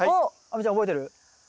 亜美ちゃん覚えてる？